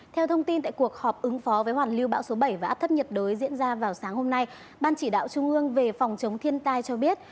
theo thông tin tại cuộc họp ứng phó với hoàn lưu bão số bảy và áp thấp nhiệt đới diễn ra vào sáng hôm nay ban chỉ đạo trung ương về phòng chống thiên tai cho biết